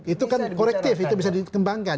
itu kan korektif itu bisa dikembangkan